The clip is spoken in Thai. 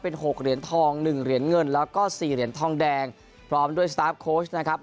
หกเหรียญทองหนึ่งเหรียญเงินแล้วก็สี่เหรียญทองแดงพร้อมด้วยสตาร์ฟโค้ชนะครับ